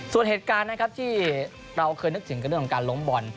ส่วนเหตุการณ์ที่เราคิดคือนึกถึงของการล้มบ่อน